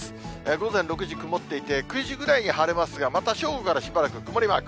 午前６時、曇っていて、９時ぐらいに晴れますが、また正午からしばらく曇りマーク。